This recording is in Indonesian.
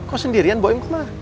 kok sendirian boim kemana